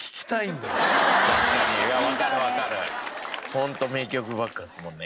ホント名曲ばっかですもんね。